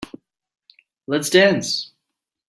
Let's dance.